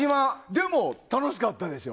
でも楽しかったでしょ。